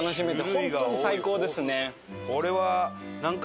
本当に最高ですね。